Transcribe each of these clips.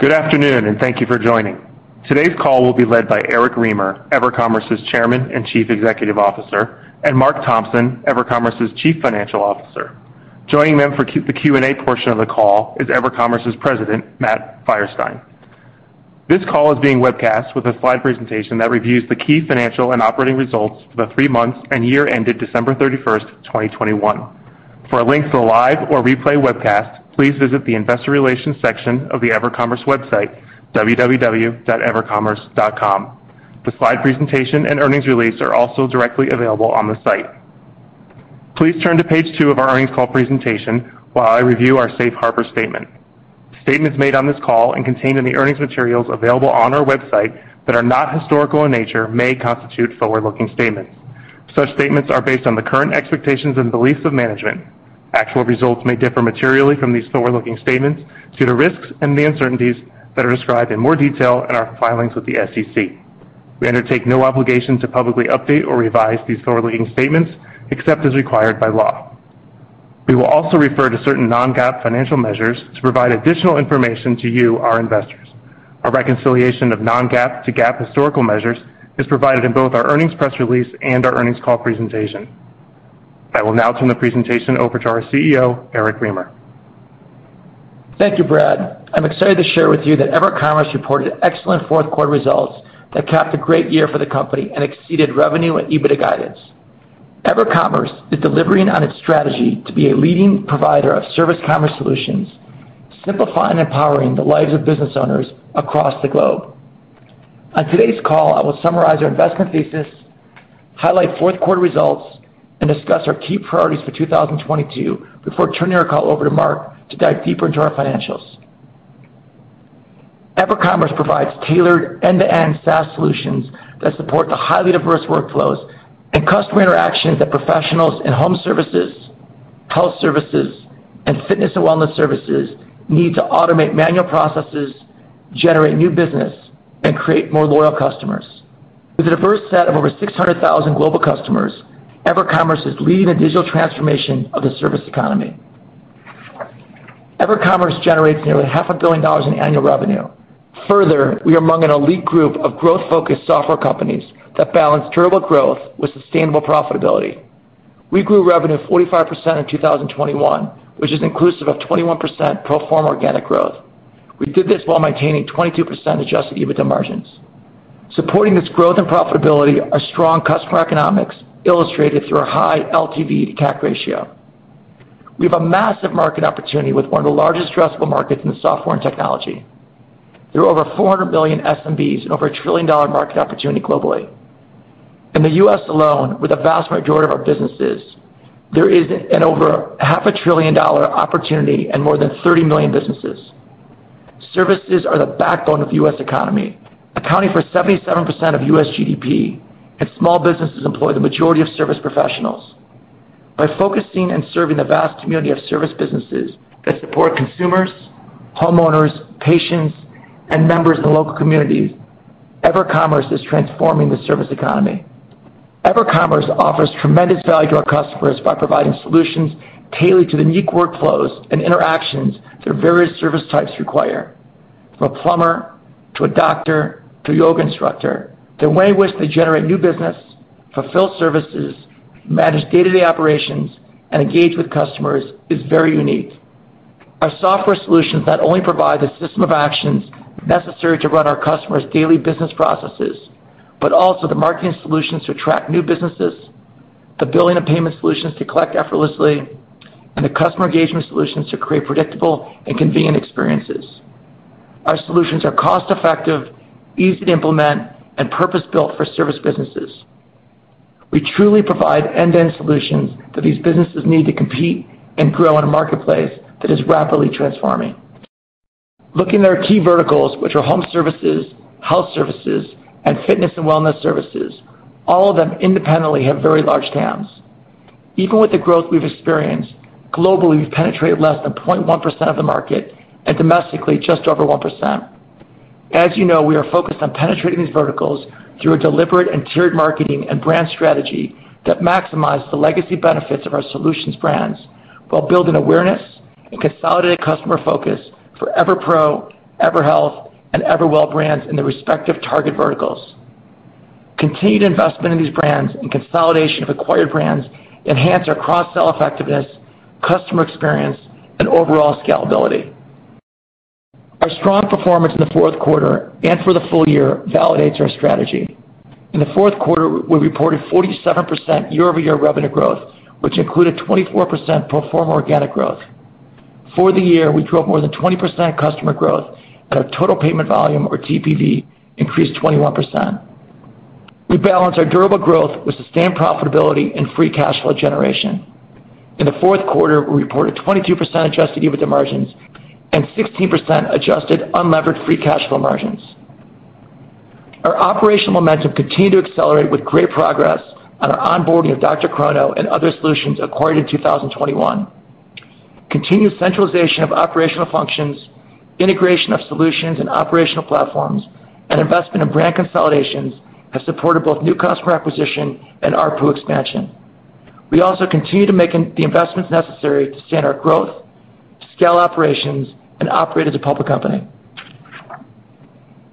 Good afternoon, and thank you for joining. Today's call will be led by Eric Remer, EverCommerce's Chairman and Chief Executive Officer, and Marc Thompson, EverCommerce's Chief Financial Officer. Joining them for the Q&A portion of the call is EverCommerce's President, Matt Feierstein. This call is being webcast with a slide presentation that reviews the key financial and operating results for the three months and year ended December 31, 2021. For a link to the live or replay webcast, please visit the investor relations section of the EverCommerce website, www.evercommerce.com. The slide presentation and earnings release are also directly available on the site. Please turn to page two of our earnings call presentation while I review our safe harbor statement. Statements made on this call and contained in the earnings materials available on our website that are not historical in nature may constitute forward-looking statements. Such statements are based on the current expectations and beliefs of management. Actual results may differ materially from these forward-looking statements due to risks and the uncertainties that are described in more detail in our filings with the SEC. We undertake no obligation to publicly update or revise these forward-looking statements except as required by law. We will also refer to certain non-GAAP financial measures to provide additional information to you, our investors. Our reconciliation of non-GAAP to GAAP historical measures is provided in both our earnings press release and our earnings call presentation. I will now turn the presentation over to our CEO, Eric Remer. Thank you, Brad. I'm excited to share with you that EverCommerce reported excellent fourth quarter results that capped a great year for the company and exceeded revenue and EBITDA guidance. EverCommerce is delivering on its strategy to be a leading provider of service commerce solutions, simplifying and empowering the lives of business owners across the globe. On today's call, I will summarize our investment thesis, highlight fourth quarter results, and discuss our key priorities for 2022 before turning our call over to Marc to dive deeper into our financials. EverCommerce provides tailored end-to-end SaaS solutions that support the highly diverse workflows and customer interactions that professionals in home services, health services, and fitness and wellness services need to automate manual processes, generate new business, and create more loyal customers. With a diverse set of over 600,000 global customers, EverCommerce is leading the digital transformation of the service economy. EverCommerce generates nearly half a billion dollars in annual revenue. Further, we are among an elite group of growth-focused software companies that balance durable growth with sustainable profitability. We grew revenue 45% in 2021, which is inclusive of 21% pro forma organic growth. We did this while maintaining 22% adjusted EBITDA margins. Supporting this growth and profitability are strong customer economics illustrated through our high LTV to CAC ratio. We have a massive market opportunity with one of the largest addressable markets in the software and technology. There are over 400 million SMBs and over a $1 trillion market opportunity globally. In the U.S. alone, where the vast majority of our business is, there is an over half a trillion-dollar opportunity and more than 30 million businesses. Services are the backbone of the U.S. economy, accounting for 77% of U.S. GDP, and small businesses employ the majority of service professionals. By focusing and serving the vast community of service businesses that support consumers, homeowners, patients, and members in the local communities, EverCommerce is transforming the service economy. EverCommerce offers tremendous value to our customers by providing solutions tailored to the unique workflows and interactions that various service types require. From a plumber to a doctor to a yoga instructor, the way in which they generate new business, fulfill services, manage day-to-day operations, and engage with customers is very unique. Our software solutions not only provide the system of actions necessary to run our customers' daily business processes, but also the marketing solutions to attract new businesses, the billing and payment solutions to collect effortlessly, and the customer engagement solutions to create predictable and convenient experiences. Our solutions are cost-effective, easy to implement, and purpose-built for service businesses. We truly provide end-to-end solutions that these businesses need to compete and grow in a marketplace that is rapidly transforming. Looking at our key verticals, which are home services, health services, and fitness and wellness services, all of them independently have very large TAMs. Even with the growth we've experienced, globally, we've penetrated less than 0.1% of the market, and domestically, just over 1%. As you know, we are focused on penetrating these verticals through a deliberate and tiered marketing and brand strategy that maximize the legacy benefits of our solutions brands while building awareness and consolidate customer focus for EverPro, EverHealth, and EverWell brands in their respective target verticals. Continued investment in these brands and consolidation of acquired brands enhance our cross-sell effectiveness, customer experience, and overall scalability. Our strong performance in the fourth quarter and for the full year validates our strategy. In the fourth quarter, we reported 47% year-over-year revenue growth, which included 24% pro forma organic growth. For the year, we drove more than 20% customer growth, and our total payment volume or TPV increased 21%. We balanced our durable growth with sustained profitability and free cash flow generation. In the fourth quarter, we reported 22% Adjusted EBITDA margins and 16% adjusted unlevered free cash flow margins. Our operational momentum continued to accelerate with great progress on our onboarding of DrChrono and other solutions acquired in 2021. Continued centralization of operational functions, integration of solutions and operational platforms, and investment in brand consolidations have supported both new customer acquisition and ARPU expansion. We also continue to make in the investments necessary to sustain our growth, scale operations, and operate as a public company.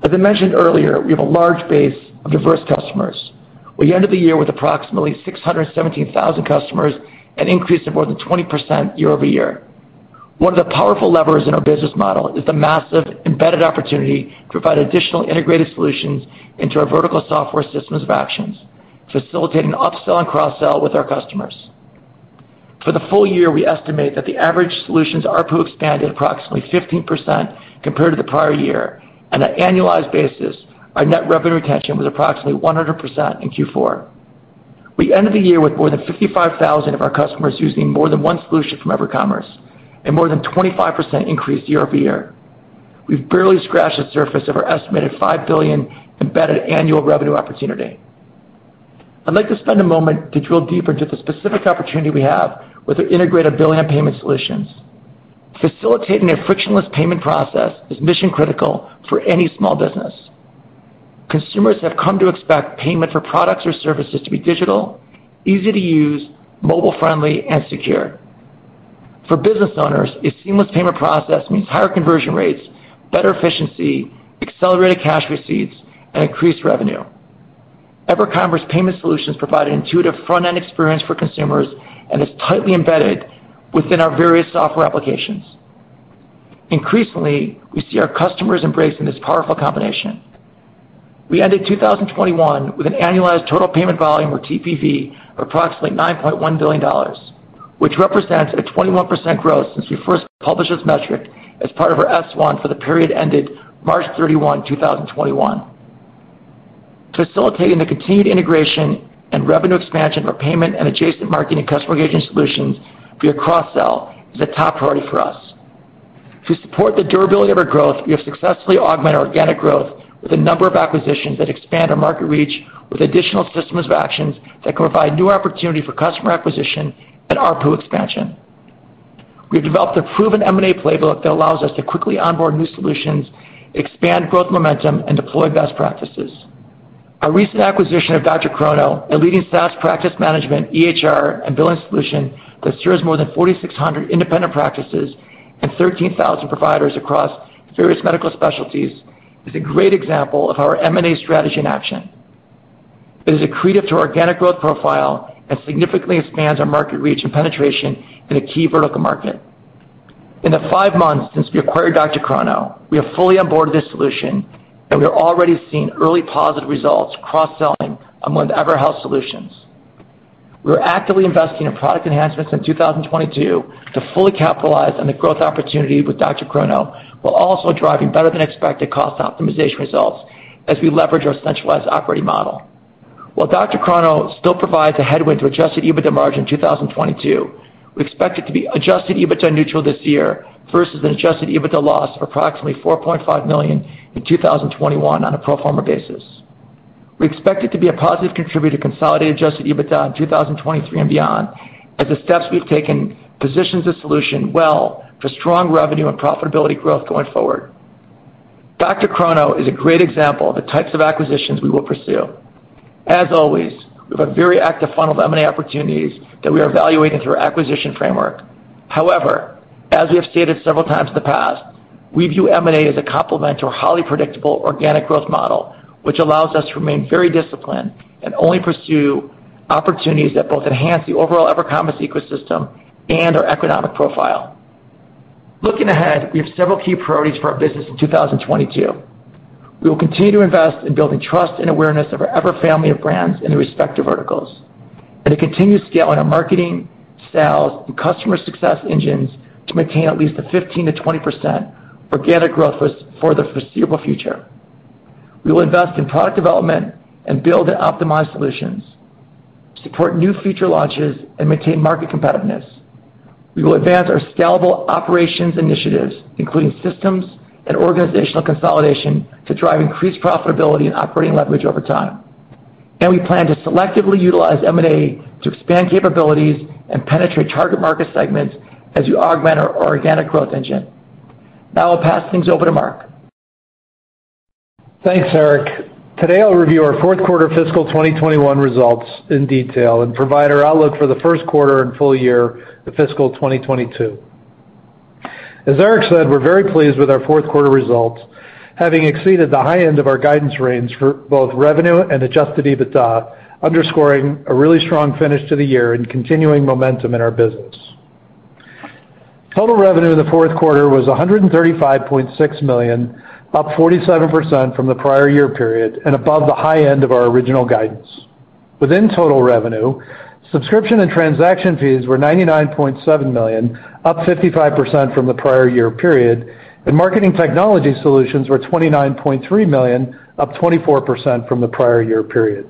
As I mentioned earlier, we have a large base of diverse customers. We ended the year with approximately 617,000 customers, an increase of more than 20% year-over-year. One of the powerful levers in our business model is the massive embedded opportunity to provide additional integrated solutions into our vertical software systems of actions, facilitating upsell and cross-sell with our customers. For the full year, we estimate that the average solutions ARPU expanded approximately 15% compared to the prior year, and on an annualized basis, our net revenue retention was approximately 100% in Q4. We ended the year with more than 55,000 of our customers using more than one solution from EverCommerce and more than 25% increase year-over-year. We've barely scratched the surface of our estimated $5 billion embedded annual revenue opportunity. I'd like to spend a moment to drill deeper into the specific opportunity we have with the integrated billing and payment solutions. Facilitating a frictionless payment process is mission-critical for any small business. Consumers have come to expect payment for products or services to be digital, easy to use, mobile-friendly, and secure. For business owners, a seamless payment process means higher conversion rates, better efficiency, accelerated cash receipts, and increased revenue. EverCommerce Payment Solutions provide an intuitive front-end experience for consumers and is tightly embedded within our various software applications. Increasingly, we see our customers embracing this powerful combination. We ended 2021 with an annualized total payment volume or TPV of approximately $9.1 billion, which represents a 21% growth since we first published this metric as part of our S-1 for the period ended March 31, 2021. Facilitating the continued integration and revenue expansion of our payment and adjacent marketing and customer engagement solutions via cross-sell is a top priority for us. To support the durability of our growth, we have successfully augmented our organic growth with a number of acquisitions that expand our market reach with additional systems of actions that can provide new opportunity for customer acquisition and ARPU expansion. We have developed a proven M&A playbook that allows us to quickly onboard new solutions, expand growth momentum, and deploy best practices. Our recent acquisition of DrChrono, a leading SaaS practice management, EHR, and billing solution that serves more than 4,600 independent practices and 13,000 providers across various medical specialties, is a great example of our M&A strategy in action. It is accretive to organic growth profile and significantly expands our market reach and penetration in a key vertical market. In the 5 months since we acquired DrChrono, we have fully onboarded this solution, and we are already seeing early positive results cross-selling among the EverHealth solutions. We are actively investing in product enhancements in 2022 to fully capitalize on the growth opportunity with DrChrono, while also driving better than expected cost optimization results as we leverage our centralized operating model. While DrChrono still provides a headwind to Adjusted EBITDA margin in 2022, we expect it to be Adjusted EBITDA neutral this year versus an Adjusted EBITDA loss of approximately $4.5 million in 2021 on a pro forma basis. We expect it to be a positive contributor to consolidated Adjusted EBITDA in 2023 and beyond, as the steps we've taken positions the solution well for strong revenue and profitability growth going forward. DrChrono is a great example of the types of acquisitions we will pursue. As always, we have a very active funnel of M&A opportunities that we are evaluating through our acquisition framework. However, as we have stated several times in the past, we view M&A as a complement to our highly predictable organic growth model, which allows us to remain very disciplined and only pursue opportunities that both enhance the overall EverCommerce ecosystem and our economic profile. Looking ahead, we have several key priorities for our business in 2022. We will continue to invest in building trust and awareness of our Ever family of brands in the respective verticals and to continue scaling our marketing, sales, and customer success engines to maintain at least a 15%-20% organic growth for the foreseeable future. We will invest in product development and build and optimize solutions, support new feature launches, and maintain market competitiveness. We will advance our scalable operations initiatives, including systems and organizational consolidation, to drive increased profitability and operating leverage over time. We plan to selectively utilize M&A to expand capabilities and penetrate target market segments as we augment our organic growth engine. Now I'll pass things over to Marc. Thanks, Eric. Today, I'll review our fourth quarter fiscal 2021 results in detail and provide our outlook for the first quarter and full year of fiscal 2022. As Eric said, we're very pleased with our fourth quarter results, having exceeded the high end of our guidance range for both revenue and Adjusted EBITDA, underscoring a really strong finish to the year and continuing momentum in our business. Total revenue in the fourth quarter was $135.6 million, up 47% from the prior year period and above the high end of our original guidance. Within total revenue, subscription and transaction fees were $99.7 million, up 55% from the prior year period, and marketing technology solutions were $29.3 million, up 24% from the prior year period.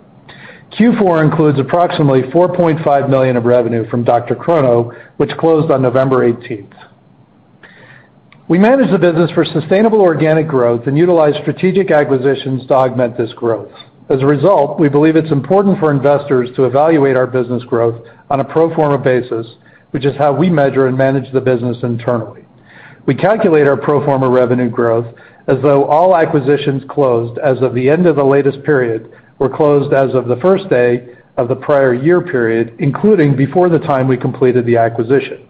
Q4 includes approximately $4.5 million of revenue from DrChrono, which closed on November 18. We manage the business for sustainable organic growth and utilize strategic acquisitions to augment this growth. As a result, we believe it's important for investors to evaluate our business growth on a pro forma basis, which is how we measure and manage the business internally. We calculate our pro forma revenue growth as though all acquisitions closed as of the end of the latest period were closed as of the first day of the prior year period, including before the time we completed the acquisition.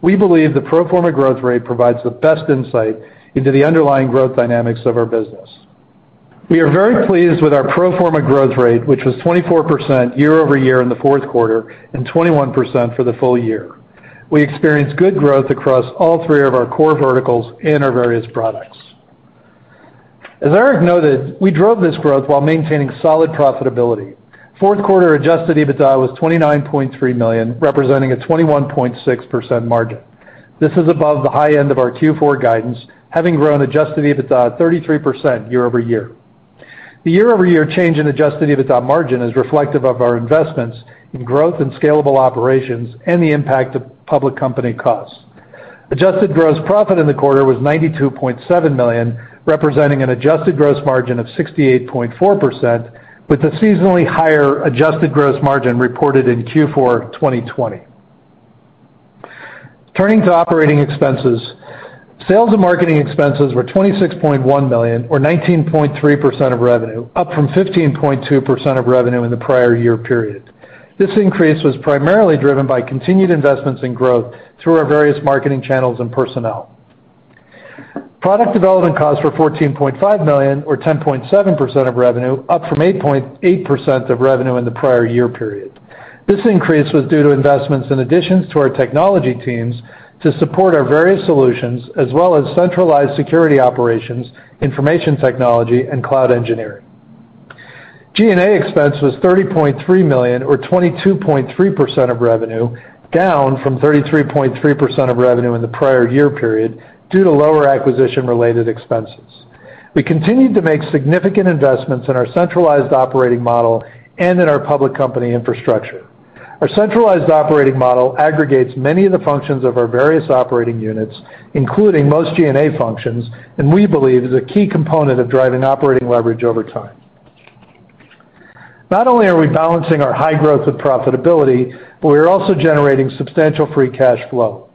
We believe the pro forma growth rate provides the best insight into the underlying growth dynamics of our business. We are very pleased with our pro forma growth rate, which was 24% year-over-year in the fourth quarter and 21% for the full year. We experienced good growth across all three of our core verticals and our various products. As Eric noted, we drove this growth while maintaining solid profitability. Fourth quarter Adjusted EBITDA was $29.3 million, representing a 21.6% margin. This is above the high end of our Q4 guidance, having grown adjusted EBITDA 33% year-over-year. The year-over-year change inAdjusted EBITDA margin is reflective of our investments in growth and scalable operations and the impact of public company costs. Adjusted gross profit in the quarter was $92.7 million, representing an adjusted gross margin of 68.4%, with a seasonally higher adjusted gross margin reported in Q4 2020. Turning to operating expenses, sales and marketing expenses were $26.1 million or 19.3% of revenue, up from 15.2% of revenue in the prior year period. This increase was primarily driven by continued investments in growth through our various marketing channels and personnel. Product development costs were $14.5 million or 10.7% of revenue, up from 8.8% of revenue in the prior year period. This increase was due to investments in additions to our technology teams to support our various solutions, as well as centralized security operations, information technology, and cloud engineering. G&A expense was $30.3 million or 22.3% of revenue, down from 33.3% of revenue in the prior year period due to lower acquisition-related expenses. We continued to make significant investments in our centralized operating model and in our public company infrastructure. Our centralized operating model aggregates many of the functions of our various operating units, including most G&A functions, and we believe is a key component of driving operating leverage over time. Not only are we balancing our high growth with profitability, but we are also generating substantial free cash flow.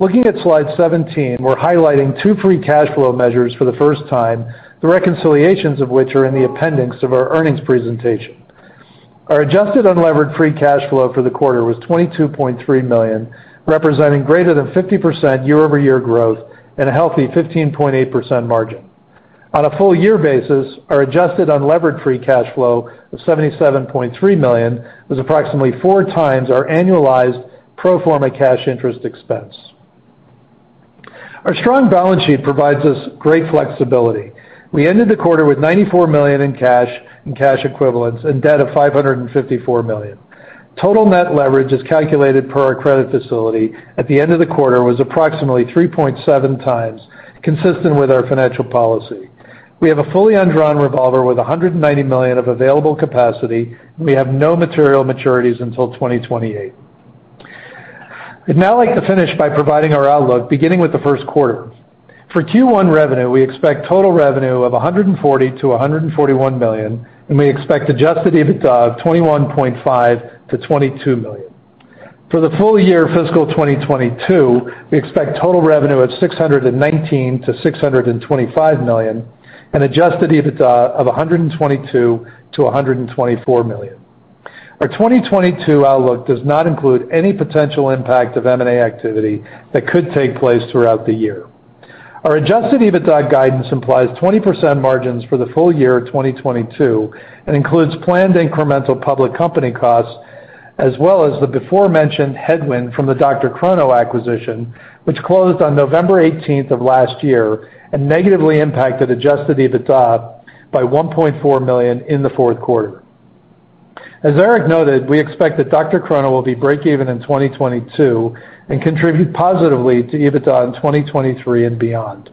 Looking at slide 17, we're highlighting two free cash flow measures for the first time, the reconciliations of which are in the appendix of our earnings presentation. Our adjusted unlevered free cash flow for the quarter was $22.3 million, representing greater than 50% year-over-year growth and a healthy 15.8% margin. On a full year basis, our adjusted unlevered free cash flow of $77.3 million was approximately 4x our annualized pro forma cash interest expense. Our strong balance sheet provides us great flexibility. We ended the quarter with $94 million in cash and cash equivalents and debt of $554 million. Total net leverage, as calculated per our credit facility at the end of the quarter, was approximately 3.7x, consistent with our financial policy. We have a fully undrawn revolver with $190 million of available capacity. We have no material maturities until 2028. I'd now like to finish by providing our outlook, beginning with the first quarter. For Q1 revenue, we expect total revenue of $140 million-$141 million, and we expect Adjusted EBITDA of $21.5 million-$22 million. For the full year fiscal 2022, we expect total revenue of $619 million-$625 million and Adjusted EBITDA of $122 million-$124 million. Our 2022 outlook does not include any potential impact of M&A activity that could take place throughout the year. Our Adjusted EBITDA guidance implies 20% margins for the full year 2022 and includes planned incremental public company costs, as well as the before-mentioned headwind from the DrChrono acquisition, which closed on November 18 of last year and negatively impacted Adjusted EBITDA by $1.4 million in the fourth quarter. As Eric noted, we expect that DrChrono will be break even in 2022 and contribute positively to EBITDA in 2023 and beyond.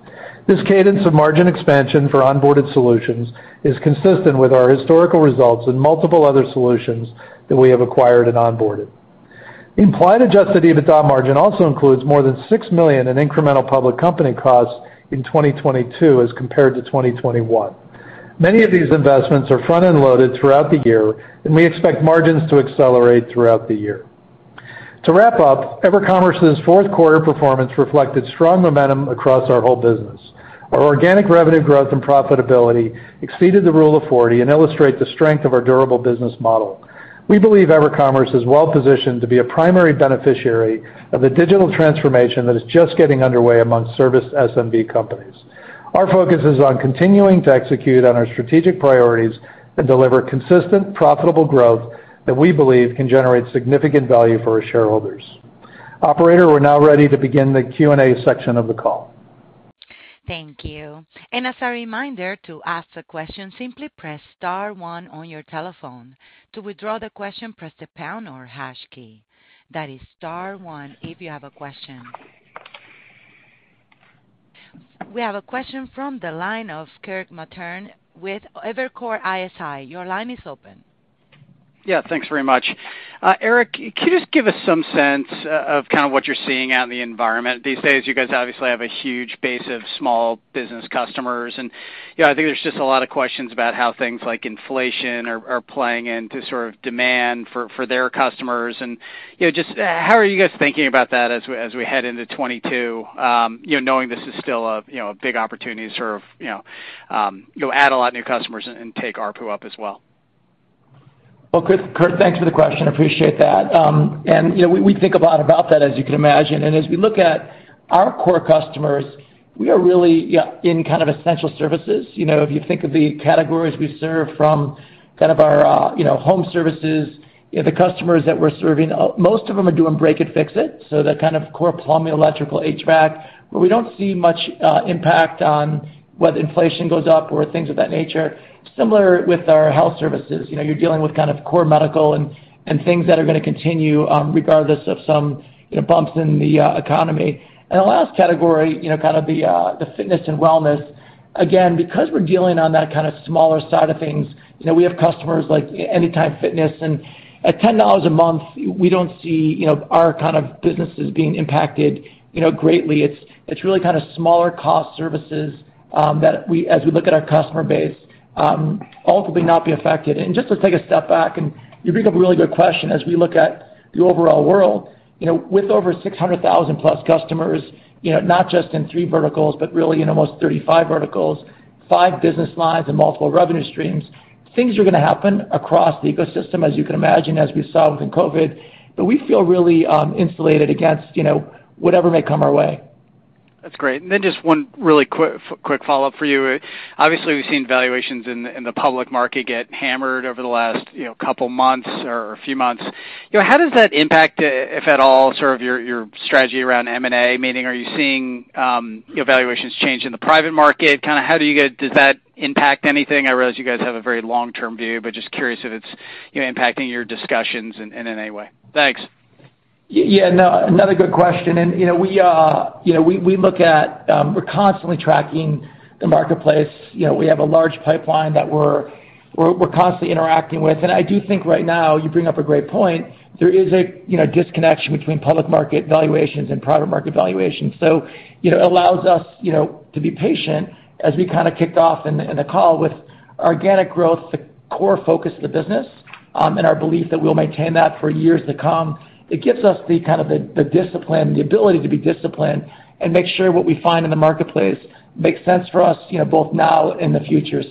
This cadence of margin expansion for onboarded solutions is consistent with our historical results in multiple other solutions that we have acquired and onboarded. Implied Adjusted EBITDA margin also includes more than $6 million in incremental public company costs in 2022 as compared to 2021. Many of these investments are front-end loaded throughout the year, and we expect margins to accelerate throughout the year. To wrap up, EverCommerce's fourth quarter performance reflected strong momentum across our whole business. Our organic revenue growth and profitability exceeded the Rule of 40 and illustrate the strength of our durable business model. We believe EverCommerce is well-positioned to be a primary beneficiary of the digital transformation that is just getting underway among service SMB companies. Our focus is on continuing to execute on our strategic priorities and deliver consistent, profitable growth that we believe can generate significant value for our shareholders. Operator, we're now ready to begin the Q&A section of the call. Thank you. As a reminder, to ask a question, simply press star one on your telephone. To withdraw the question, press the pound or hash key. That is star one if you have a question. We have a question from the line of Kirk Materne with Evercore ISI. Your line is open. Yeah, thanks very much. Eric, can you just give us some sense of kind of what you're seeing out in the environment these days? You guys obviously have a huge base of small business customers. I think there's just a lot of questions about how things like inflation are playing into sort of demand for their customers. You know, just how are you guys thinking about that as we head into 2022, you know, knowing this is still a big opportunity to sort of add a lot new customers and take ARPU up as well? Well, Kirk, thanks for the question, appreciate that. You know, we think a lot about that, as you can imagine. As we look at our core customers, we are really, yeah, in kind of essential services. You know, if you think of the categories we serve from kind of our home services, you know, the customers that we're serving, most of them are doing break and fix it, so that kind of core plumbing, electrical, HVAC, where we don't see much impact on whether inflation goes up or things of that nature. Similar with our health services, you know, you're dealing with kind of core medical and things that are gonna continue regardless of some you know, bumps in the economy. The last category, you know, kind of the fitness and wellness, again, because we're dealing on that kind of smaller side of things, you know, we have customers like Anytime Fitness and at $10 a month, we don't see, you know, our kind of businesses being impacted, you know, greatly. It's really kind of smaller cost services that as we look at our customer base ultimately not be affected. Just to take a step back, you bring up a really good question, as we look at the overall world, you know, with over 600,000+ customers, you know, not just in three verticals, but really in almost 35 verticals, five business lines and multiple revenue streams, things are gonna happen across the ecosystem as you can imagine, as we saw with COVID. We feel really insulated against, you know, whatever may come our way. That's great. Just one really quick follow-up for you. Obviously, we've seen valuations in the public market get hammered over the last couple months or few months. You know, how does that impact, if at all, sort of your strategy around M&A? Meaning, are you seeing, you know, valuations change in the private market? Kinda how does that impact anything? I realize you guys have a very long-term view, but just curious if it's, you know, impacting your discussions in any way. Thanks. Yeah, no, another good question. You know, we look at. We're constantly tracking the marketplace. You know, we have a large pipeline that we're constantly interacting with. I do think right now, you bring up a great point, there is a you know, disconnection between public market valuations and private market valuations. You know, it allows us, you know, to be patient as we kind of kicked off in the call with organic growth, the core focus of the business, and our belief that we'll maintain that for years to come. It gives us the discipline, the ability to be disciplined and make sure what we find in the marketplace makes sense for us, you know, both now and the future.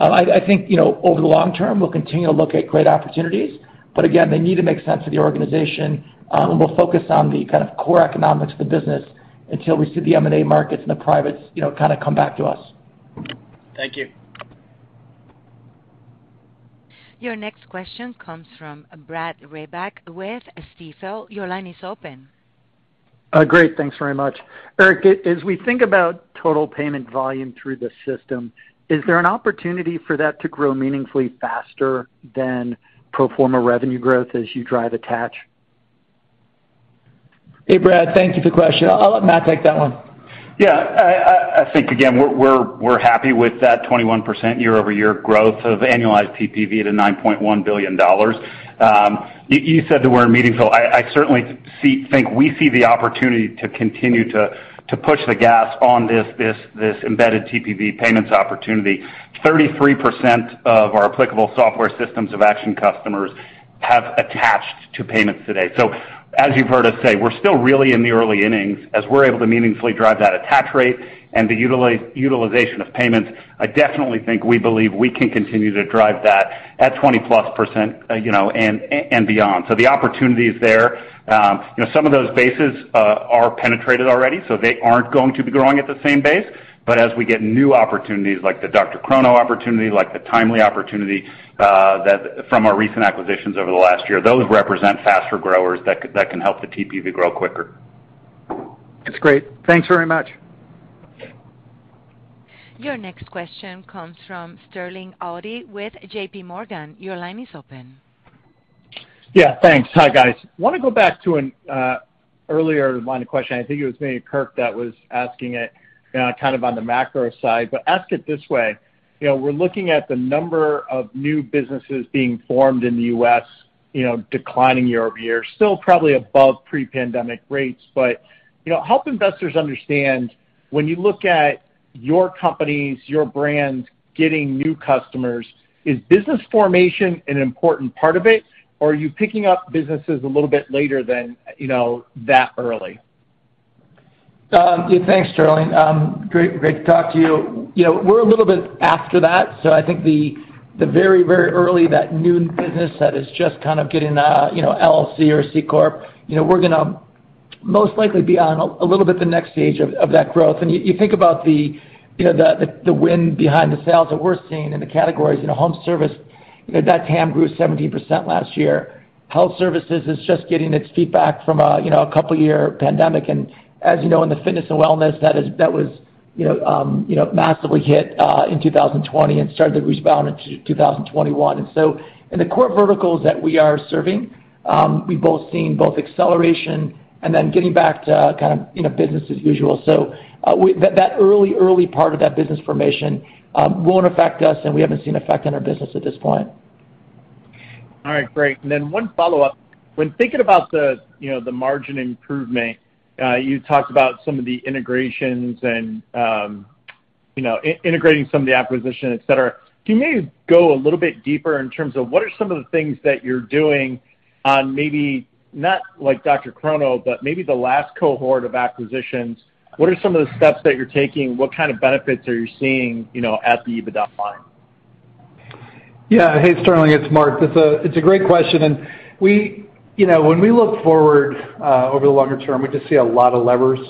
I think, you know, over the long term, we'll continue to look at great opportunities, but again, they need to make sense for the organization. We'll focus on the kind of core economics of the business until we see the M&A markets and the privates, you know, kinda come back to us. Thank you. Your next question comes from Brad Reback with Stifel. Your line is open. Great. Thanks very much. Eric, as we think about total payment volume through the system, is there an opportunity for that to grow meaningfully faster than pro forma revenue growth as you drive attach? Hey, Brad, thank you for the question. I'll let Matt take that one. Yeah. I think, again, we're happy with that 21% year-over-year growth of annualized TPV to $9.1 billion. You said the word meaningfully. I certainly think we see the opportunity to continue to push the gas on this embedded TPV payments opportunity. 33% of our applicable software systems of Action customers have attached to payments today. So as you've heard us say, we're still really in the early innings as we're able to meaningfully drive that attach rate and the utilization of payments. I definitely think we believe we can continue to drive that at 20%+, you know, and beyond. So the opportunity is there. You know, some of those bases are penetrated already, so they aren't going to be growing at the same base. As we get new opportunities like the DrChrono opportunity, like the Timely opportunity, that from our recent acquisitions over the last year, those represent faster growers that can help the TPV grow quicker. That's great. Thanks very much. Your next question comes from Sterling Auty with JPMorgan. Your line is open. Yeah, thanks. Hi, guys. Wanna go back to an earlier line of questioning. I think it was maybe Kirk that was asking it, kind of on the macro side. Ask it this way, you know, we're looking at the number of new businesses being formed in the U.S., you know, declining year-over-year, still probably above pre-pandemic rates. You know, help investors understand, when you look at your companies, your brands getting new customers, is business formation an important part of it, or are you picking up businesses a little bit later than, you know, that early? Yeah, thanks, Sterling. Great to talk to you. You know, we're a little bit after that. I think the very early that new business that is just kind of getting, you know, LLC or C corp, you know, we're gonna most likely be on a little bit the next stage of that growth. You think about the wind behind the sails that we're seeing in the categories. You know, home service, you know, that TAM grew 17% last year. Health services is just getting its feet back from a, you know, a couple year pandemic. As you know, in the fitness and wellness, that was, you know, massively hit in 2020 and started to rebound in 2021. In the core verticals that we are serving we've both seen both acceleration and then getting back to kind of, you know, business as usual. That early part of that business formation won't affect us, and we haven't seen an effect on our business at this point. All right, great. One follow-up. When thinking about the, you know, the margin improvement, you talked about some of the integrations and, you know, integrating some of the acquisition, et cetera. Can you maybe go a little bit deeper in terms of what are some of the things that you're doing on maybe not like DrChrono, but maybe the last cohort of acquisitions? What are some of the steps that you're taking? What kind of benefits are you seeing, you know, at the EBITDA line? Yeah. Hey, Sterling, it's Marc. It's a great question, and we... You know, when we look forward, over the longer term, we just see a lot of levers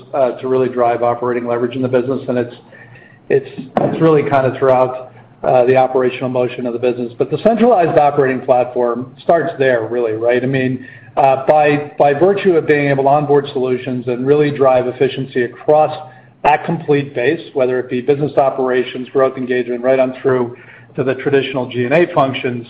to really drive operating leverage in the business, and it's really kind of throughout the operational motion of the business. But the centralized operating platform starts there really, right? I mean, by virtue of being able to onboard solutions and really drive efficiency across that complete base, whether it be business operations, growth engagement, right on through to the traditional G&A functions,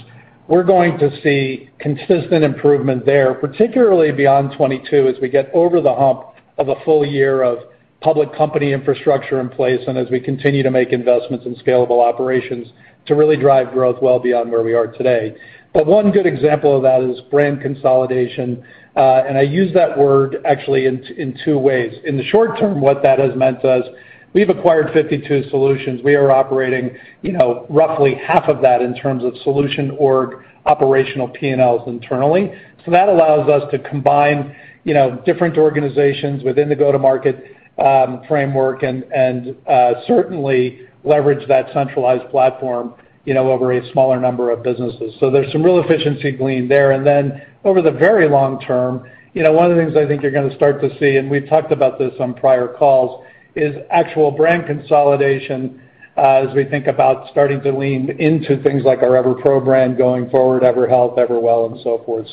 we're going to see consistent improvement there, particularly beyond 2022 as we get over the hump of a full year of public company infrastructure in place and as we continue to make investments in scalable operations to really drive growth well beyond where we are today. One good example of that is brand consolidation, and I use that word actually in two ways. In the short term, what that has meant is we've acquired 52 solutions. We are operating, you know, roughly half of that in terms of solution org operational P&L internally. So that allows us to combine, you know, different organizations within the go-to-market framework and certainly leverage that centralized platform, you know, over a smaller number of businesses. So there's some real efficiency gleaned there. Then over the very long term, you know, one of the things I think you're gonna start to see, and we've talked about this on prior calls, is actual brand consolidation, as we think about starting to lean into things like our EverPro brand going forward, EverHealth, EverWell, and so forth.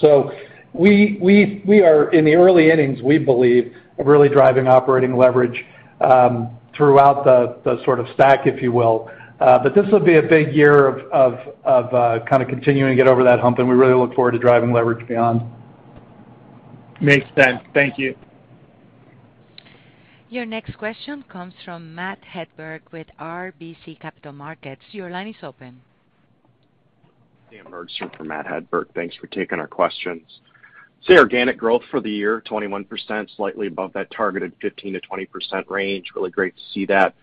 We are in the early innings, we believe, of really driving operating leverage throughout the sort of stack, if you will. But this will be a big year of kind of continuing to get over that hump, and we really look forward to driving leverage beyond. Makes sense. Thank you. Your next question comes from Matt Hedberg with RBC Capital Markets. Your line is open. Daniel Perlin here for Matt Hedberg. Thanks for taking our questions. I see organic growth for the year, 21%, slightly above that targeted 15%-20% range. Really great to see that.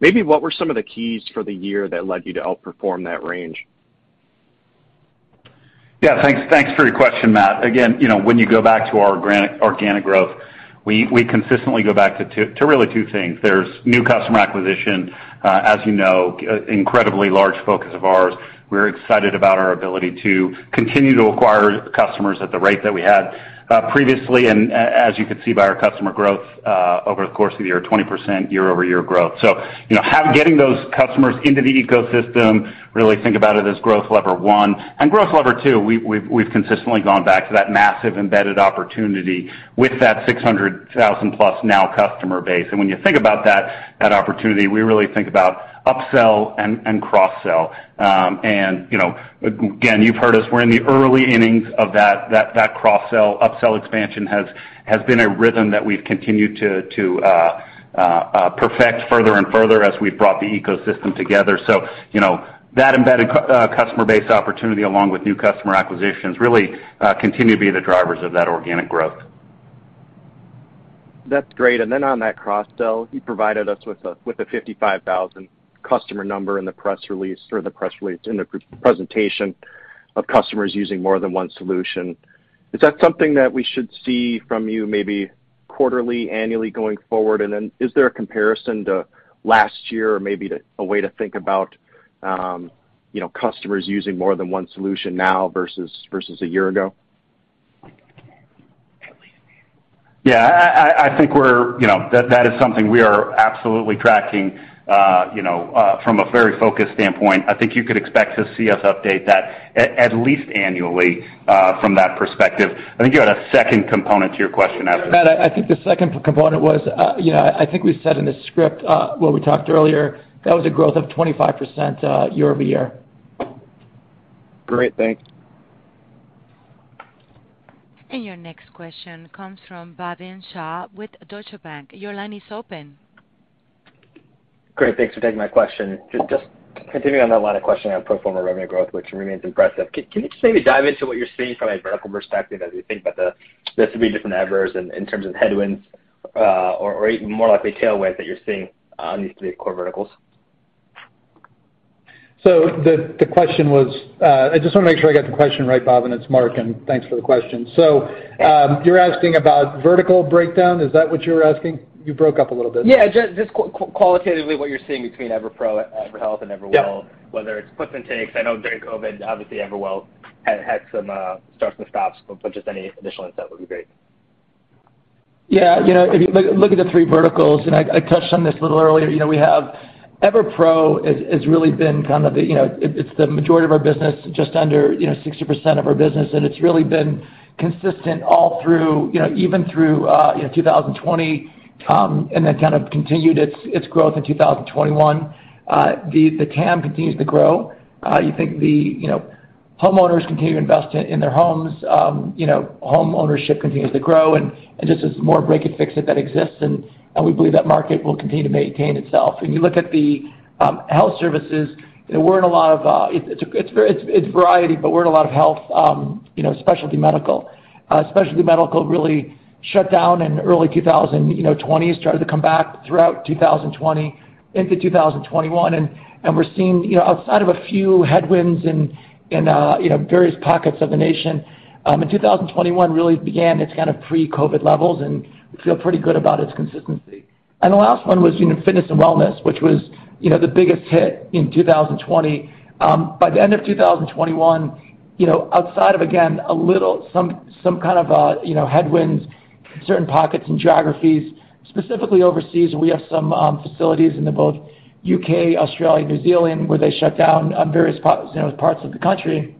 Maybe what were some of the keys for the year that led you to outperform that range? Yeah. Thanks for your question, Matt. Again, you know, when you go back to our organic growth, we consistently go back to two things. There's new customer acquisition, as you know, incredibly large focus of ours. We're excited about our ability to continue to acquire customers at the rate that we had previously and as you can see by our customer growth over the course of the year, 20% year-over-year growth. You know, getting those customers into the ecosystem. Really think about it as growth lever one. Growth lever two, we've consistently gone back to that massive embedded opportunity with that 600,000-plus customer base now. When you think about that opportunity, we really think about upsell and cross-sell. you know, again, you've heard us, we're in the early innings of that cross-sell. Upsell expansion has been a rhythm that we've continued to perfect further and further as we've brought the ecosystem together. you know, that embedded customer base opportunity along with new customer acquisitions really continue to be the drivers of that organic growth. That's great. On that cross-sell, you provided us with a 55,000 customer number in the press release or the presentation of customers using more than one solution. Is that something that we should see from you maybe quarterly, annually going forward? Is there a comparison to last year or maybe a way to think about, you know, customers using more than one solution now versus a year ago? Yeah. You know, that is something we are absolutely tracking, you know, from a very focused standpoint. I think you could expect to see us update that at least annually, from that perspective. I think you had a second component to your question after. Matt, I think the second component was, yeah, I think we said in the script, when we talked earlier, that was a growth of 25%, year-over-year. Great. Thanks. Your next question comes from Bhavin Shah with Deutsche Bank. Your line is open. Great. Thanks for taking my question. Just continuing on that line of questioning on pro forma revenue growth, which remains impressive. Can you just maybe dive into what you're seeing from a vertical perspective as you think about the three different levers in terms of headwinds, or even more likely tailwinds that you're seeing on these three core verticals? I just wanna make sure I got the question right, Bhavin. It's Marc, and thanks for the question. You're asking about vertical breakdown. Is that what you were asking? You broke up a little bit. Yeah. Just qualitatively what you're seeing between EverPro, EverHealth, and EverWell- Yeah. whether it's puts and takes. I know during COVID, obviously EverWell had some starts and stops, but just any additional insight would be great. Yeah. You know, if you look at the three verticals, and I touched on this a little earlier, you know, we have EverPro has really been kind of the, you know. It's the majority of our business, just under, you know, 60% of our business, and it's really been consistent all through, you know, even through 2020. kind of continued its growth in 2021. The TAM continues to grow. You think the, you know, homeowners continue to invest in their homes. You know, homeownership continues to grow and just as more break and fix it that exists, and we believe that market will continue to maintain itself. When you look at the health services, there weren't a lot of. It's a variety, but we're in a lot of health, you know, specialty medical. Specialty medical really shut down in early 2020. Started to come back throughout 2020 into 2021. We're seeing, you know, outside of a few headwinds in various pockets of the nation, in 2021 really began its kind of pre-COVID levels, and we feel pretty good about its consistency. The last one was, you know, fitness and wellness, which was, you know, the biggest hit in 2020. By the end of 2021, you know, outside of again headwinds, certain pockets and geographies, specifically overseas, we have some facilities in both the U.K., Australia, New Zealand, where they shut down on various parts of the country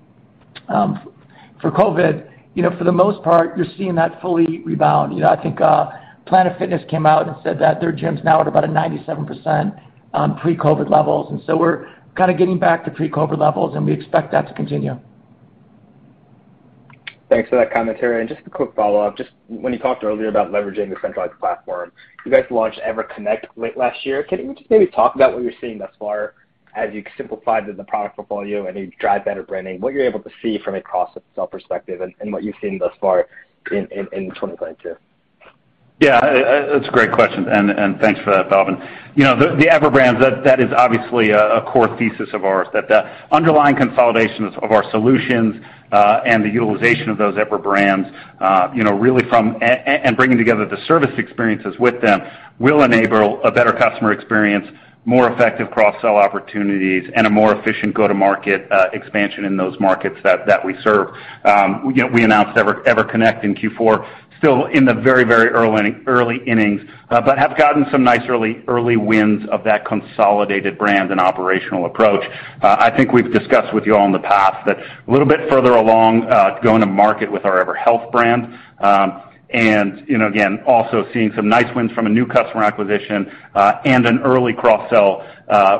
for COVID. You know, for the most part, you're seeing that fully rebound. You know, I think Planet Fitness came out and said that their gyms now at about a 97% pre-COVID levels. We're kind of getting back to pre-COVID levels, and we expect that to continue. Thanks for that commentary. Just a quick follow-up. Just when you talked earlier about leveraging the centralized platform, you guys launched EverConnect late last year. Can you just maybe talk about what you're seeing thus far as you simplified the product portfolio and you drive better branding? What you're able to see from a cross-sell perspective and what you've seen thus far in 2022. Yeah, that's a great question, and thanks for that, Bhavin. You know, the Ever brands, that is obviously a core thesis of ours. That the underlying consolidation of our solutions and the utilization of those Ever brands, you know, really and bringing together the service experiences with them will enable a better customer experience, more effective cross-sell opportunities, and a more efficient go-to-market expansion in those markets that we serve. You know, we announced EverConnect in Q4, still in the very early innings, but have gotten some nice early wins of that consolidated brand and operational approach. I think we've discussed with you all in the past that a little bit further along, going to market with our EverHealth brand. You know, again, also seeing some nice wins from a new customer acquisition and an early cross-sell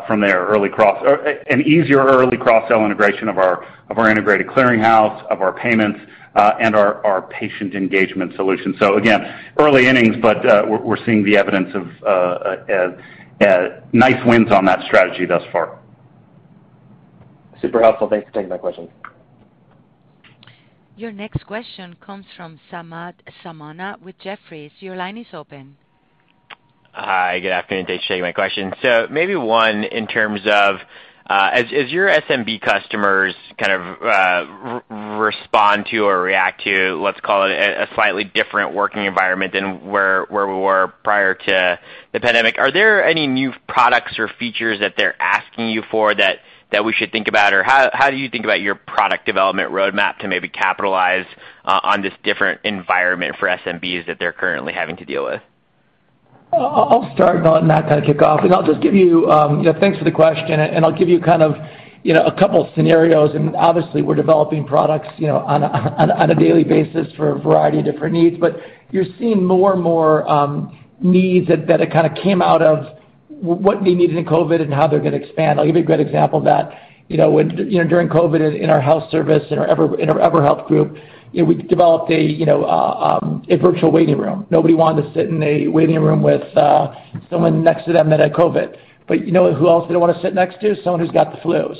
from an easier early cross-sell integration of our integrated clearing house, our payments, and our patient engagement solution. Again, early innings, but we're seeing the evidence of nice wins on that strategy thus far. Super helpful. Thanks for taking my question. Your next question comes from Samad Samana with Jefferies. Your line is open. Hi. Good afternoon. Thanks for taking my question. Maybe one in terms of, as your SMB customers kind of respond to or react to, let's call it a slightly different working environment than where we were prior to the pandemic, are there any new products or features that they're asking you for that we should think about? Or how do you think about your product development roadmap to maybe capitalize on this different environment for SMBs that they're currently having to deal with? I'll start, Samad, and I'll kind of kick off. I'll just give you know, thanks for the question, and I'll give you kind of, you know, a couple of scenarios. Obviously, we're developing products, you know, on a daily basis for a variety of different needs. You're seeing more and more needs that it kind of came out of what they needed in COVID and how they're gonna expand. I'll give you a good example of that. You know, when, you know, during COVID in our health service, in our EverHealth group, you know, we developed a virtual waiting room. Nobody wanted to sit in a waiting room with someone next to them that had COVID. You know who else they don't wanna sit next to? Someone who's got the flu.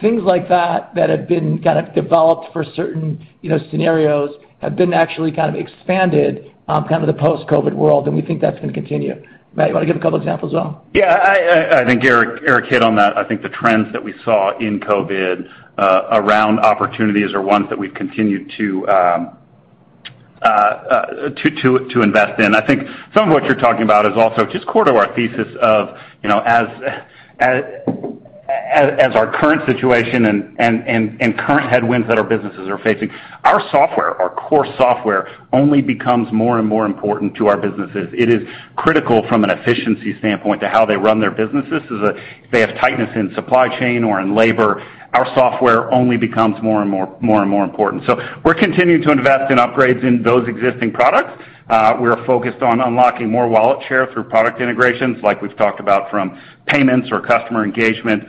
Things like that that have been kind of developed for certain, you know, scenarios have been actually kind of expanded kind of the post-COVID world, and we think that's gonna continue. Matt, you wanna give a couple examples as well? Yeah. I think Eric hit on that. I think the trends that we saw in COVID around opportunities are ones that we've continued to invest in. I think some of what you're talking about is also just core to our thesis of, you know, as our current situation and current headwinds that our businesses are facing, our software, our core software only becomes more and more important to our businesses. It is critical from an efficiency standpoint to how they run their businesses. If they have tightness in supply chain or in labor, our software only becomes more and more important. We're continuing to invest in upgrades in those existing products. We're focused on unlocking more wallet share through product integrations like we've talked about from payments or customer engagement,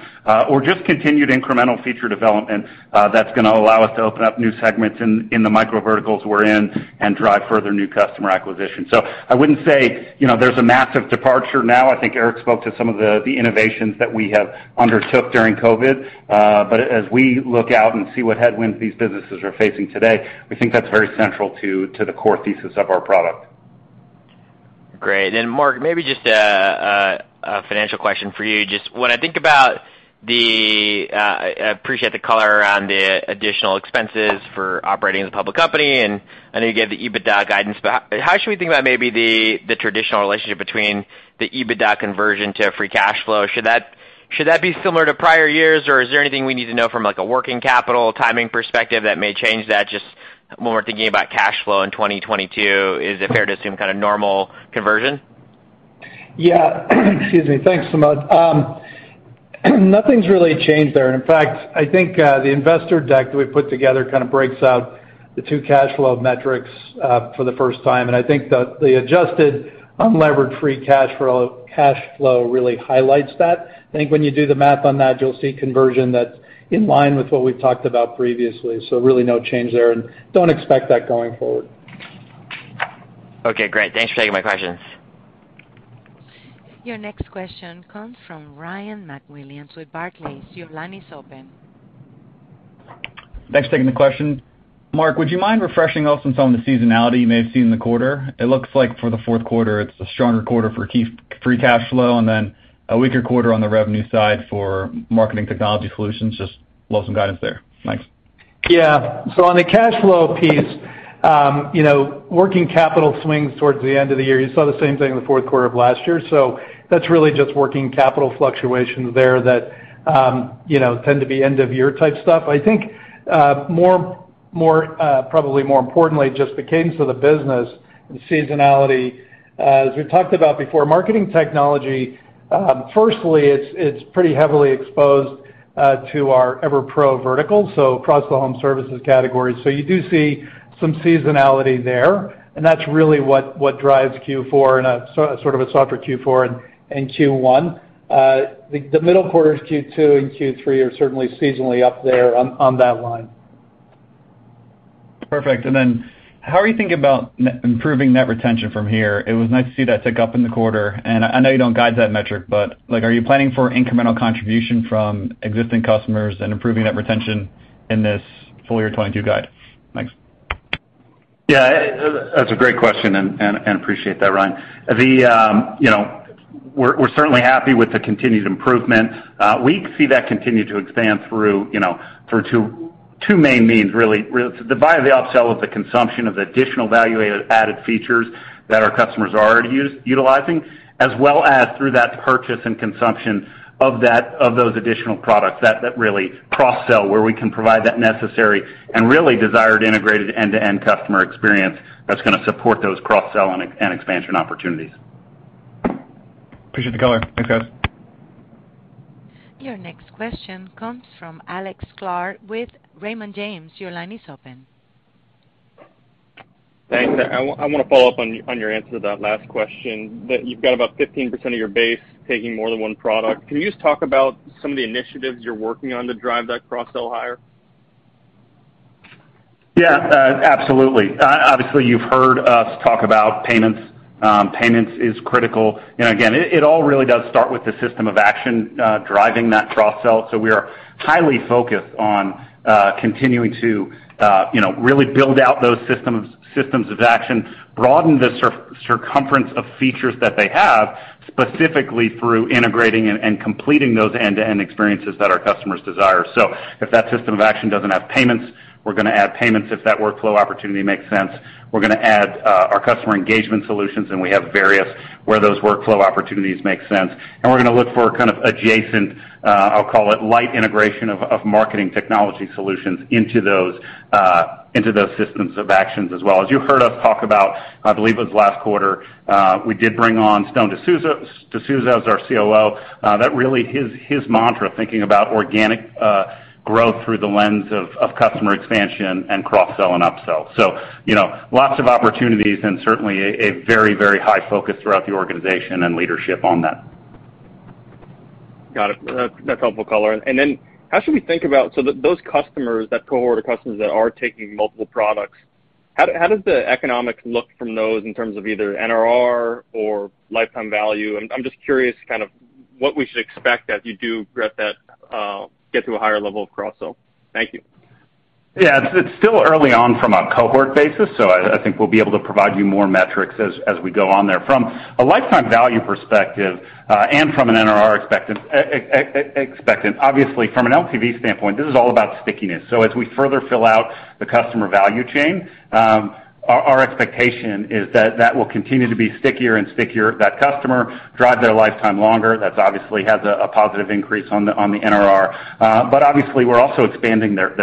or just continued incremental feature development, that's gonna allow us to open up new segments in the micro verticals we're in and drive further new customer acquisition. I wouldn't say, you know, there's a massive departure now. I think Eric spoke to some of the innovations that we have undertook during COVID. As we look out and see what headwinds these businesses are facing today, we think that's very central to the core thesis of our product. Great. Mark, maybe just a financial question for you. Just when I think about the, I appreciate the color around the additional expenses for operating as a public company, and I know you gave the EBITDA guidance. How should we think about maybe the traditional relationship between the EBITDA conversion to free cash flow? Should that be similar to prior years, or is there anything we need to know from, like, a working capital timing perspective that may change that just more thinking about cash flow in 2022? Is it fair to assume kind of normal conversion? Yeah. Excuse me. Thanks, Samad. Nothing's really changed there. In fact, I think the investor deck that we put together kind of breaks out the two cash flow metrics for the first time. I think the adjusted unlevered free cash flow really highlights that. I think when you do the math on that, you'll see conversion that's in line with what we've talked about previously. Really no change there and don't expect that going forward. Okay, great. Thanks for taking my questions. Your next question comes from Ryan MacWilliams with Barclays. Your line is open. Thanks for taking the question. Marc, would you mind refreshing us on some of the seasonality you may have seen in the quarter? It looks like for the fourth quarter, it's a stronger quarter for free cash flow, and then a weaker quarter on the revenue side for marketing technology solutions. I'd love some guidance there. Thanks. Yeah. On the cash flow piece, you know, working capital swings towards the end of the year. You saw the same thing in the fourth quarter of last year. That's really just working capital fluctuations there that, you know, tend to be end of year type stuff. I think, probably more importantly, just the cadence of the business and seasonality, as we've talked about before, marketing technology, firstly, it's pretty heavily exposed to our EverPro vertical, so across the home services category. You do see some seasonality there, and that's really what drives Q4 and a sort of a softer Q4 and Q1. The middle quarters, Q2 and Q3 are certainly seasonally up there on that line. Perfect. How are you thinking about and improving net retention from here? It was nice to see that tick up in the quarter. I know you don't guide that metric, but, like, are you planning for incremental contribution from existing customers and improving net retention in this full year 2022 guide? Thanks. Yeah. That's a great question, and appreciate that, Ryan. We're certainly happy with the continued improvement. We see that continue to expand through two main means really. The buy, the upsell of the consumption of the additional value-added features that our customers are already utilizing, as well as through that purchase and consumption of those additional products that really cross-sell, where we can provide that necessary and really desired integrated end-to-end customer experience that's gonna support those cross-sell and expansion opportunities. Appreciate the color. Thanks, guys. Your next question comes from Alex Clark with Raymond James. Your line is open. Thanks. I wanna follow up on your answer to that last question, that you've got about 15% of your base taking more than one product. Can you just talk about some of the initiatives you're working on to drive that cross-sell higher? Yeah. Absolutely. Obviously, you've heard us talk about payments. Payments is critical. Again, it all really does start with the system of action driving that cross-sell. We are highly focused on continuing to you know really build out those systems of action, broaden the circumference of features that they have, specifically through integrating and completing those end-to-end experiences that our customers desire. If that system of action doesn't have payments, we're gonna add payments. If that workflow opportunity makes sense, we're gonna add our customer engagement solutions, and we have various where those workflow opportunities make sense. We're gonna look for kind of adjacent. I'll call it light integration of marketing technology solutions into those systems of actions as well. As you heard us talk about, I believe it was last quarter, we did bring on Stone de Souza as our COO. That's really his mantra, thinking about organic growth through the lens of customer expansion and cross-sell and upsell. You know, lots of opportunities and certainly a very high focus throughout the organization and leadership on that. Got it. That's helpful color. Then how should we think about those customers, that cohort of customers that are taking multiple products, how does the economics look from those in terms of either NRR or lifetime value? I'm just curious kind of what we should expect as you do get that, get to a higher level of cross-sell. Thank you. Yeah. It's still early on from a cohort basis, so I think we'll be able to provide you more metrics as we go on there. From a lifetime value perspective, and from an NRR expectation, obviously from an LTV standpoint, this is all about stickiness. As we further fill out the customer value chain, our expectation is that that will continue to be stickier and stickier, that customer drive their lifetime longer, that obviously has a positive increase on the NRR. Obviously we're also expanding their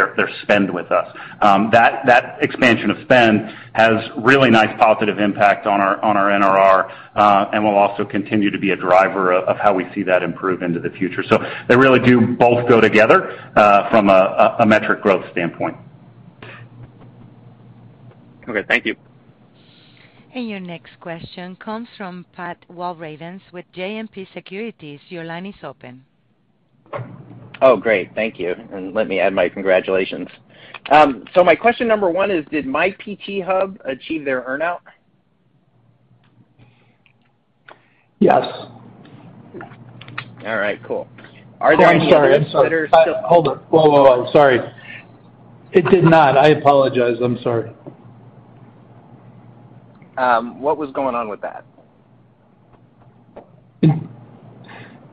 spend with us. That expansion of spend has really nice positive impact on our NRR, and will also continue to be a driver of how we see that improve into the future. They really do both go together from a metric growth standpoint. Okay, thank you. Your next question comes from Pat Walravens with JMP Securities. Your line is open. Oh, great. Thank you. Let me add my congratulations. My question number one is, did My PT Hub achieve their earn-out? Yes. All right, cool. Are there any- Oh, I'm sorry. I'm sorry. -consider- Hold on. Whoa, whoa. Sorry. It did not. I apologize. I'm sorry. What was going on with that?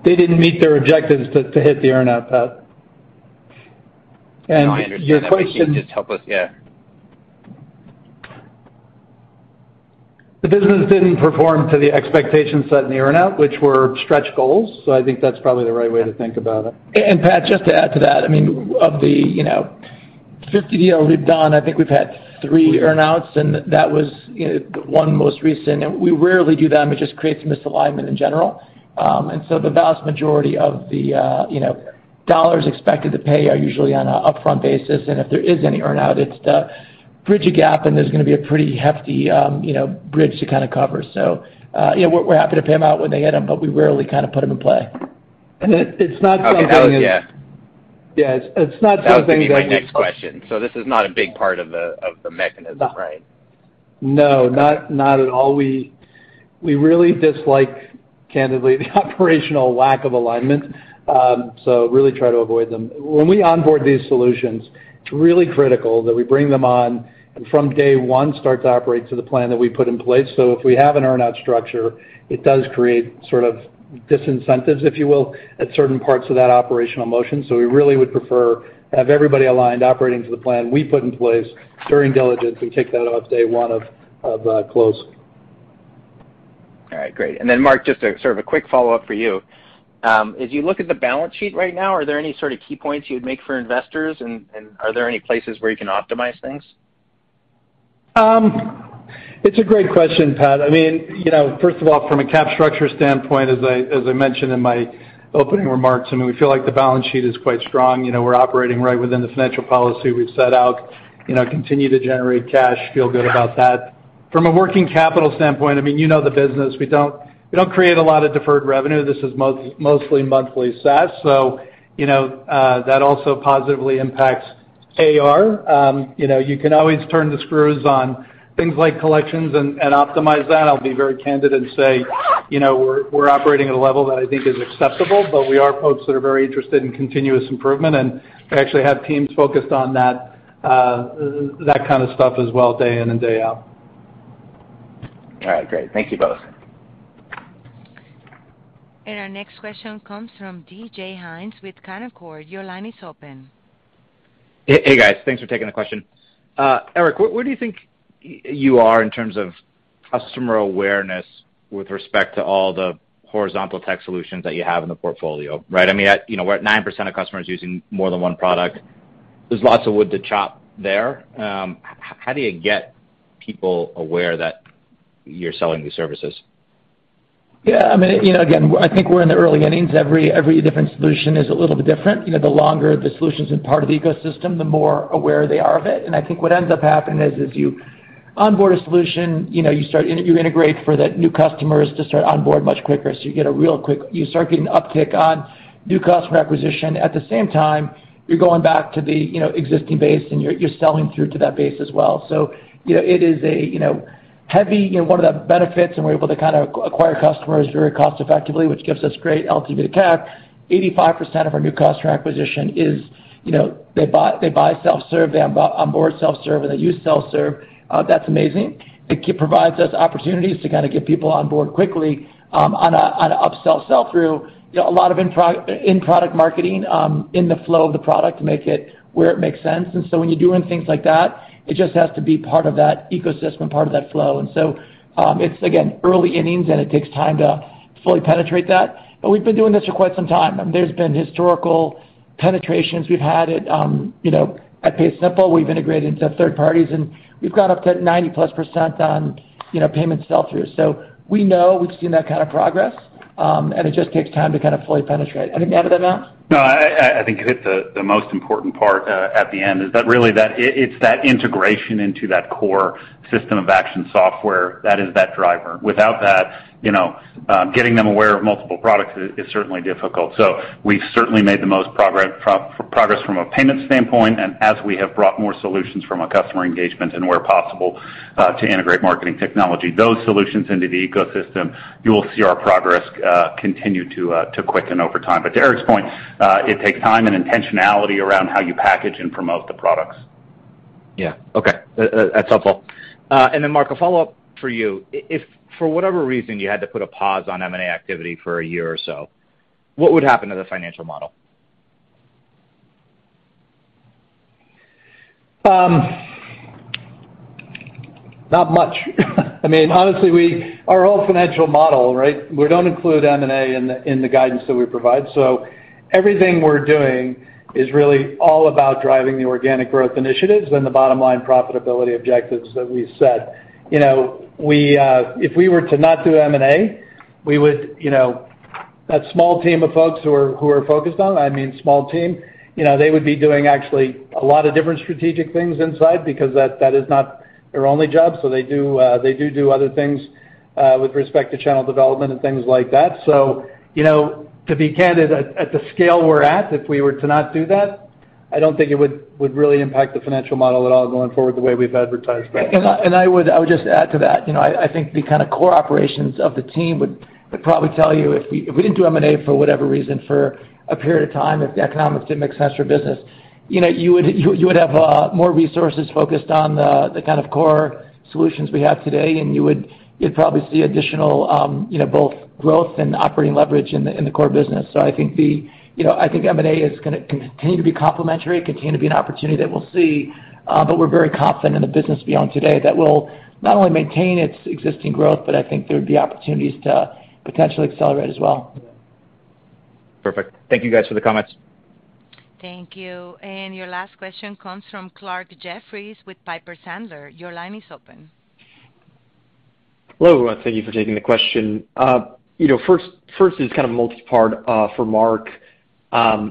They didn't meet their objectives to hit the earn-out, Pat. Your question- No, I understand that, but can you just help us. Yeah. The business didn't perform to the expectations set in the earn-out, which were stretch goals. I think that's probably the right way to think about it. Pat, just to add to that, I mean, of the 50 deals we've done, I think we've had three earn-outs, and that was one most recent. We rarely do them. It just creates misalignment in general. The vast majority of the dollars expected to pay are usually on a upfront basis. If there is any earn-out, it's to bridge a gap, and there's gonna be a pretty hefty bridge to kind of cover. You know, we're happy to pay them out when they hit them, but we rarely kind of put them in play. It's not something that Okay. Yeah. Yeah. It's not something that we That was gonna be my next question. This is not a big part of the mechanism, right? No. Okay. No. Not at all. We really dislike, candidly, the operational lack of alignment. Really try to avoid them. When we onboard these solutions, it's really critical that we bring them on, and from day one start to operate to the plan that we put in place. If we have an earn-out structure, it does create sort of disincentives, if you will, at certain parts of that operational motion. We really would prefer to have everybody aligned operating to the plan we put in place during diligence. We take that out day one of close. All right. Great. Marc, just a sort of a quick follow-up for you. As you look at the balance sheet right now, are there any sort of key points you'd make for investors and are there any places where you can optimize things? It's a great question, Pat. I mean, you know, first of all, from a capital structure standpoint, as I mentioned in my opening remarks, I mean, we feel like the balance sheet is quite strong. You know, we're operating right within the financial policy we've set out. You know, continue to generate cash, feel good about that. From a working capital standpoint, I mean, you know the business. We don't create a lot of deferred revenue. This is mostly monthly SaaS. So, you know, that also positively impacts AR. You know, you can always turn the screws on things like collections and optimize that. I'll be very candid and say, you know, we're operating at a level that I think is acceptable, but we are folks that are very interested in continuous improvement, and we actually have teams focused on that kind of stuff as well, day in and day out. All right. Great. Thank you both. Our next question comes from DJ Hynes with Canaccord. Your line is open. Hey, hey, guys. Thanks for taking the question. Eric, where do you think you are in terms of customer awareness with respect to all the horizontal tech solutions that you have in the portfolio? Right? I mean, you know, we're at 9% of customers using more than one product. There's lots of wood to chop there. How do you get people aware that you're selling these services? Yeah. I mean, you know, again, I think we're in the early innings. Every different solution is a little bit different. You know, the longer the solution's in part of the ecosystem, the more aware they are of it. I think what ends up happening is, as you onboard a solution, you know, you integrate for the new customers to start onboard much quicker. You get a real quick, you start getting uptick on new customer acquisition. At the same time, you're going back to the, you know, existing base, and you're selling through to that base as well. You know, it is a, you know, heavy, you know, one of the benefits, and we're able to kind of acquire customers very cost effectively, which gives us great LTV to CAC. 85% of our new customer acquisition is, you know, they buy self-serve, they onboard self-serve, and they use self-serve. That's amazing. It provides us opportunities to kind of get people on board quickly, on an upsell sell-through. You know, a lot of in-product marketing in the flow of the product to make it where it makes sense. When you're doing things like that, it just has to be part of that ecosystem and part of that flow. It's, again, early innings and it takes time to fully penetrate that. We've been doing this for quite some time. There's been historical penetrations. We've had it, you know, at PaySimple. We've integrated into third parties, and we've got up to 90+% on, you know, payment sell-throughs. We know we've seen that kind of progress, and it just takes time to kind of fully penetrate. Anything to add to that, Mark? No, I think you hit the most important part at the end, is that really that it's that integration into that core system of Acaction software that is that driver. Without that, getting them aware of multiple products is certainly difficult. We've certainly made the most progress from a payment standpoint. As we have brought more solutions from a customer engagement and where possible to integrate marketing technology, those solutions into the ecosystem, you will see our progress continue to quicken over time. To Eric's point, it takes time and intentionality around how you package and promote the products. Yeah. Okay. That's helpful. Marc, a follow-up for you. If for whatever reason you had to put a pause on M&A activity for a year or so, what would happen to the financial model? Not much. I mean, honestly, our whole financial model, right, we don't include M&A in the guidance that we provide. Everything we're doing is really all about driving the organic growth initiatives and the bottom line profitability objectives that we've set. You know, if we were to not do M&A, we would, you know, that small team of folks who are focused on it, I mean, small team, you know, they would be doing actually a lot of different strategic things inside because that is not their only job. They do other things with respect to channel development and things like that. You know, to be candid, at the scale we're at, if we were to not do that, I don't think it would really impact the financial model at all going forward the way we've advertised that. I would just add to that. You know, I think the kind of core operations of the team would probably tell you if we didn't do M&A for whatever reason for a period of time, if the economics didn't make sense for business. You know, you would have more resources focused on the kind of core solutions we have today, and you would probably see additional, you know, both growth and operating leverage in the core business. I think, you know, I think M&A is gonna continue to be complementary, continue to be an opportunity that we'll see. But we're very confident in the business beyond today that we'll not only maintain its existing growth, but I think there would be opportunities to potentially accelerate as well. Perfect. Thank you guys for the comments. Thank you. Your last question comes from Clarke Jeffries with Piper Sandler. Your line is open. Hello, thank you for taking the question. You know, first is kind of multi-part for Marc.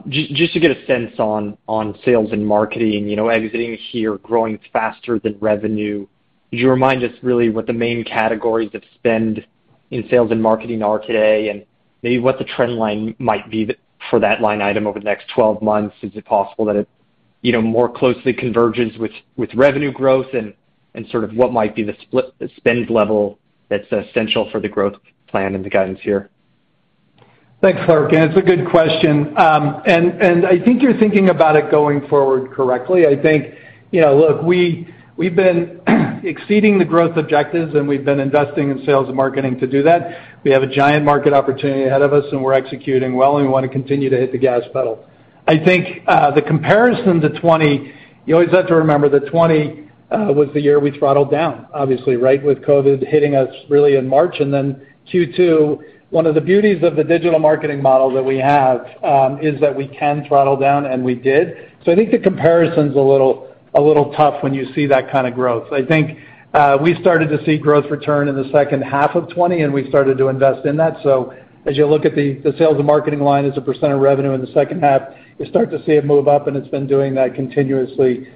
Just to get a sense on sales and marketing, you know, exiting here, growing faster than revenue. Could you remind us really what the main categories of spend in sales and marketing are today, and maybe what the trend line might be for that line item over the next 12 months. Is it possible that it more closely converges with revenue growth and sort of what might be the split, the spend level that's essential for the growth plan and the guidance here? Thanks, Clarke, it's a good question. I think you're thinking about it going forward correctly. I think, you know, look, we've been exceeding the growth objectives, and we've been investing in sales and marketing to do that. We have a giant market opportunity ahead of us, and we're executing well, and we wanna continue to hit the gas pedal. I think, the comparison to 2020, you always have to remember that 2020 was the year we throttled down, obviously, right? With COVID hitting us really in March, and then Q2. One of the beauties of the digital marketing model that we have is that we can throttle down, and we did. I think the comparison's a little tough when you see that kind of growth. I think we started to see growth return in the second half of 2020, and we started to invest in that. As you look at the sales and marketing line as a percent of revenue in the second half, you start to see it move up, and it's been doing that continuously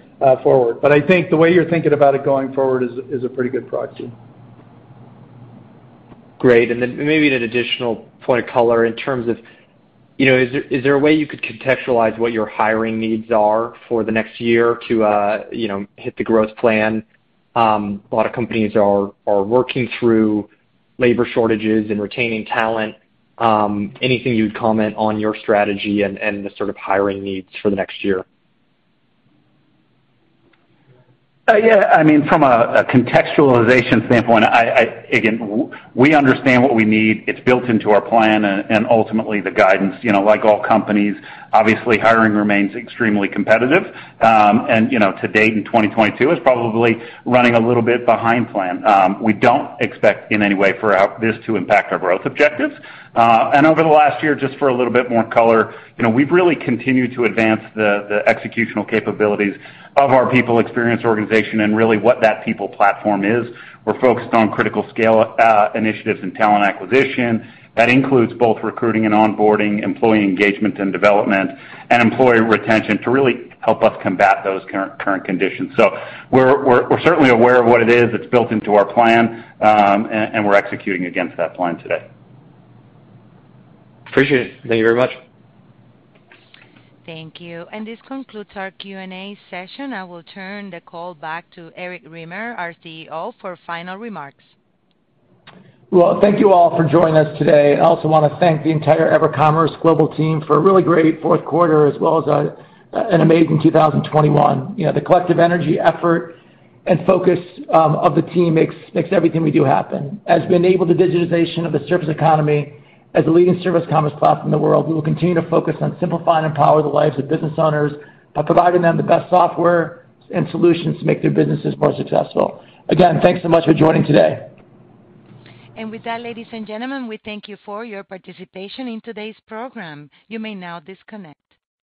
forward. I think the way you're thinking about it going forward is a pretty good proxy. Great. Then maybe an additional point of color in terms of, you know, is there a way you could contextualize what your hiring needs are for the next year to, you know, hit the growth plan? A lot of companies are working through labor shortages and retaining talent. Anything you'd comment on your strategy and the sort of hiring needs for the next year? Yeah. I mean, from a contextualization standpoint, again, we understand what we need. It's built into our plan and ultimately the guidance. You know, like all companies, obviously hiring remains extremely competitive. You know, to date in 2022 is probably running a little bit behind plan. We don't expect in any way for this to impact our growth objectives. Over the last year, just for a little bit more color, you know, we've really continued to advance the executional capabilities of our people experience organization and really what that people platform is. We're focused on critical scale initiatives and talent acquisition. That includes both recruiting and onboarding, employee engagement and development, and employee retention to really help us combat those current conditions. We're certainly aware of what it is that's built into our plan, and we're executing against that plan today. Appreciate it. Thank you very much. Thank you. This concludes our Q&A session. I will turn the call back to Eric Remer, our CEO, for final remarks. Well, thank you all for joining us today, and I also wanna thank the entire EverCommerce global team for a really great fourth quarter as well as an amazing 2021. You know, the collective energy, effort, and focus of the team makes everything we do happen. As we enable the digitization of the service economy as the leading service commerce platform in the world, we will continue to focus on simplifying and powering the lives of business owners by providing them the best software and solutions to make their businesses more successful. Again, thanks so much for joining today. With that, ladies and gentlemen, we thank you for your participation in today's program. You may now disconnect.